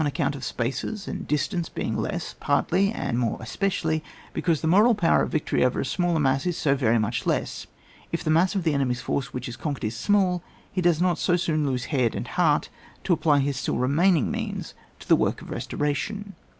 account of spaces and distance being less, partly, and more especially, because the moral power of victory over a smaller mass is so very much less ; if the mass of the enemy's force which is conquered is small, he does not so soon lose head and heart to apply his still remaining means to the work of restoration.